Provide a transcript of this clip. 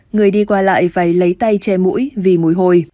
người đi qua lại phải lấy tay che mũi vì mùi hôi